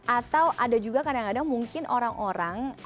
atau ada juga kadang kadang mungkin orang orang